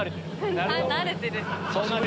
慣れてる。